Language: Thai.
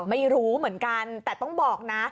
ไม่รู้เหมือนกันแต่ต้องบอกนะ